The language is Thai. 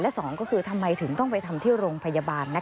สองก็คือทำไมถึงต้องไปทำที่โรงพยาบาล